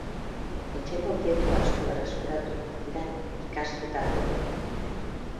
Etxeko objektu asko berreskuratu dira ikaztutako tokitik.